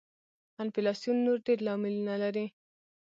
انفلاسیون نور ډېر لاملونه لري.